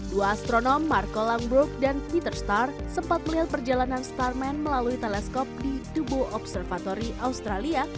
dua astronom marko langbrook dan peter starr sempat melihat perjalanan starman melalui teleskop di dubbo observatory australia